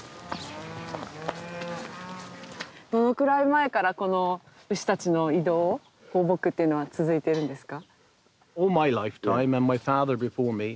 どのくらい前からこの牛たちの移動放牧っていうのは続いてるんですか？